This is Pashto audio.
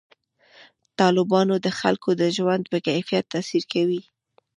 تالابونه د خلکو د ژوند په کیفیت تاثیر کوي.